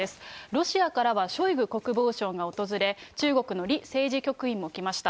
ロシアからはショイグ国防相が訪れ、中国の李政治局員も来ました。